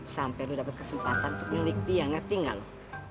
sampai lu dapet kesempatan untuk milik dia ngerti ga lu